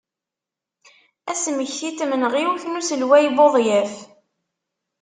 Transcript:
Asmekti n tmenɣiwt n uselway Budyaf.